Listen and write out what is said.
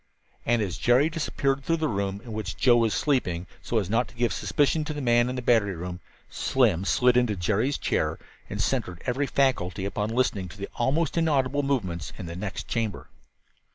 And as Jerry disappeared through the room in which Joe was sleeping, so as not to give suspicion to the man in the battery room, Slim slid into Jerry's chair and centered every faculty upon listening to the almost inaudible movements in the next chamber.